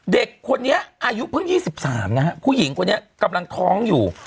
เด็กคนนี้อายุเพิ่ง๒๓นะฮะผู้หญิงคนนี้กำลังท้องอยู่